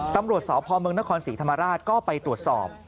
ตำรวจสพเมืองนครศรีธรรมราชก็ไปตรวจสอบ